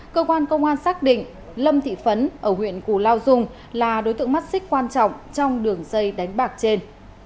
cơ quan công an xác định lâm thị phấn ở huyện cù lao dung là đối tượng mắt xích quan trọng trong đường dây đánh bạc trên